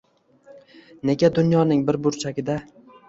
Nega dunyoning bir burchagida